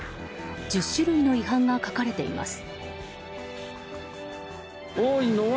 １０種類の違反が書かれています。